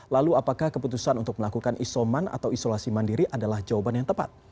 lalu apakah keputusan untuk melakukan isoman atau isolasi mandiri adalah jawaban yang tepat